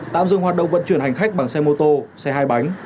tạm dừng hoạt động vận chuyển hành khách bằng xe mô tô xe hai bánh